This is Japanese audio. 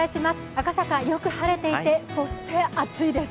赤坂、よく晴れていてそして暑いです。